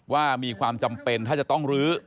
ว่ามีความจำเป็นถ้าจะต้องลื้อ